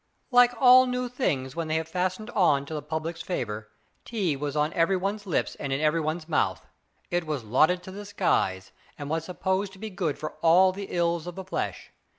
Like all new things, when they have fastened on to the public's favor, tea was on everybody's lips and in everybody's mouth. It was lauded to the skies, and was supposed to be good for all the ills of the flesh.